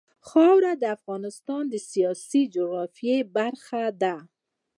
خاوره د افغانستان د سیاسي جغرافیه برخه ده.